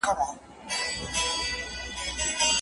د څېړني پر مهال له بیړې کار مه اخله.